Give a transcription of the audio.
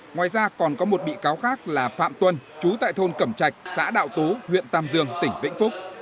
ngoài ra còn có một bị cáo khác là phạm tuân chú tại thôn cẩm trạch xã đạo tú huyện tam dương tỉnh vĩnh phúc